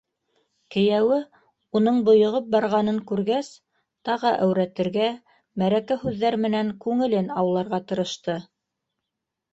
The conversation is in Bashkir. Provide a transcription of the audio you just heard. Кейәүе, уның бойоғоп барғанын күргәс, тағы әүрәтергә, мәрәкә һүҙҙәр менән күңелен ауларға тырышты...